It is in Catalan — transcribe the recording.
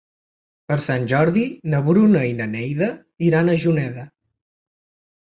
Per Sant Jordi na Bruna i na Neida iran a Juneda.